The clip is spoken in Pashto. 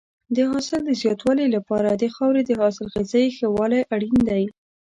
د حاصل د زیاتوالي لپاره د خاورې د حاصلخېزۍ ښه والی اړین دی.